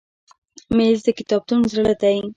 مېز د کتابتون زړه دی.